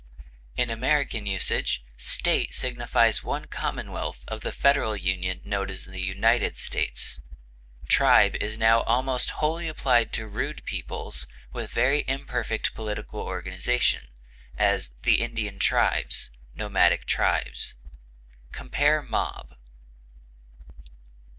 In American usage State signifies one commonwealth of the federal union known as the United States. Tribe is now almost wholly applied to rude peoples with very imperfect political organization; as, the Indian tribes; nomadic tribes. Compare MOB.